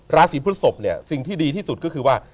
ราศีพฤศพเนี่ยสิ่งที่ดีที่สุดก็คือว่า